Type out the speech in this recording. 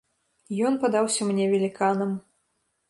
Ён падаўся мне веліканам.